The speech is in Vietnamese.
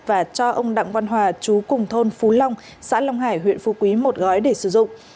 và cho ông đặng văn hòa chú cùng thôn phú long xã long hải huyện phú quý một gói để sử dụng